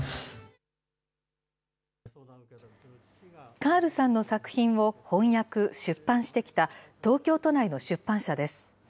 カールさんの作品を翻訳・出版してきた、東京都内の出版社です。